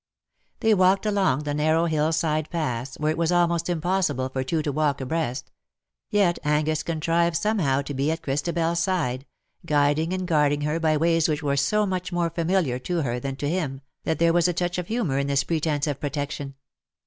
They walked along the narrow hill side paths, where it was almost impossible for two to walk abreast ; yet Angus contrived somehow to be at Christabers side, guiding and guarding her by ways which were so much more familiar to her than to him, that there was a touch of humour in this pretence of protection.